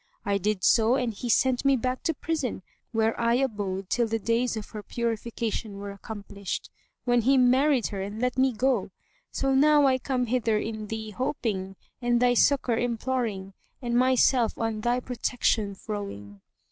I did so and he sent me back to prison, where I abode till the days of her purification were accomplished, when he married her and let me go. So now I come hither in thee hoping and thy succour imploring and myself on thy protection throwing."